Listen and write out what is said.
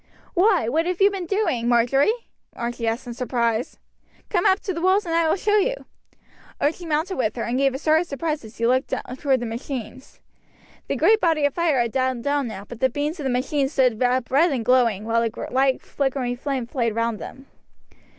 "Why, what have you been doing, Marjory?" Archie asked in surprise. "Come up to the walls and I will show you." Archie mounted with her, and gave a start of surprise as he looked towards the machines. The great body of fire had died down now, but the beams of the machines stood up red and glowing, while a light flickering flame played round them.